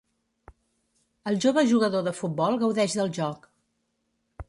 El jove jugador de futbol gaudeix del joc.